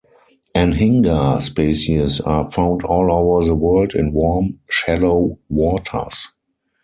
"Anhinga" species are found all over the world in warm shallow waters.